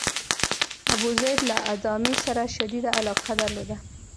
ابوزید له ادامې سره شدیده علاقه درلوده.